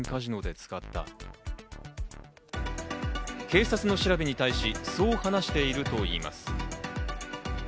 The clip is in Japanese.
警察の調べに対し、そう話しているといいます。